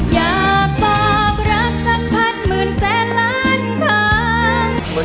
อย่าบอกรักสัมผัสหมื่นแสนล้านทาง